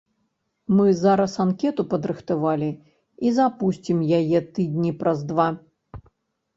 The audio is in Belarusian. Мы зараз анкету падрыхтавалі і запусцім яе тыдні праз два.